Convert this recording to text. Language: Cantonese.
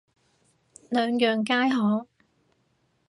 兩樣皆可